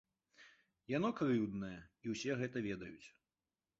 Яно крыўднае, і ўсе гэта ведаюць.